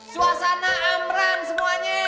suasana amran semuanya